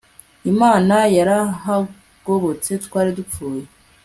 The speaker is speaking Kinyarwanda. imana yarahagobotse twari dupfuye